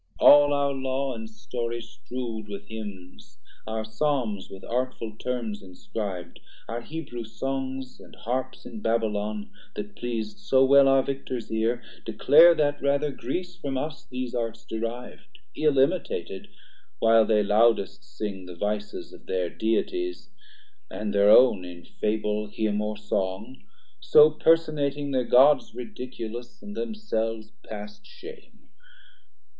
All our Law and Story strew'd With Hymns, our Psalms with artful terms inscrib'd, Our Hebrew Songs and Harps in Babylon, That pleas'd so well our Victors ear, declare That rather Greece from us these Arts deriv'd; Ill imitated, while they loudest sing The vices of thir Deities, and thir own 340 In Fable, Hymn, or Song, so personating Thir Gods ridiculous, and themselves past shame.